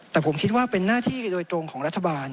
แต่ผมคิดว่าเป็นหน้าที่โดยตรงของรัฐบาล